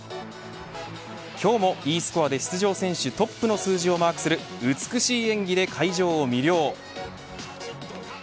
今日もＥスコアで出場選手トップの数字をマークする美しい演技で会場を魅了。